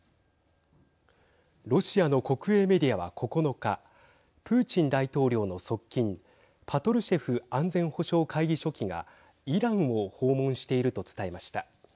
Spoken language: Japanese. ロシアの国営メディアは９日プーチン大統領の側近パトルシェフ安全保障会議書記がイランを訪問していると伝えました。